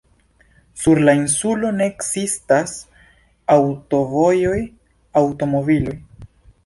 Sur la insulo ne ekzistas aŭtovojoj, aŭtomobiloj.